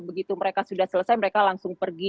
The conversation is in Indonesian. begitu mereka sudah selesai mereka langsung pergi